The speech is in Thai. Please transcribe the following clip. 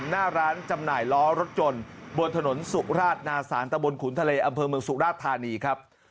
หน้าร้านจำหน่ายล้อรถยนต์บนถนนสุราชนาศาลตะบนขุนทะเลอำเภอเมืองสุราชธานีครับ